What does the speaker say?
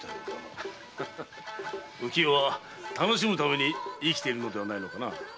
浮き世は楽しむために生きているのではないのかな？